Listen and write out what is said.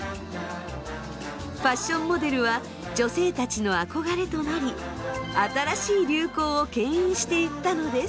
ファッションモデルは女性たちの憧れとなり新しい流行をけん引していったのです。